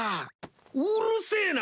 うるせえな！